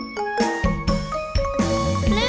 จ้าค่ะ